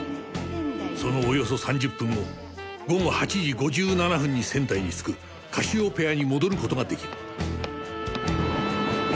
そのおよそ３０分後午後８時５７分に仙台に着くカシオペアに戻る事が出来る。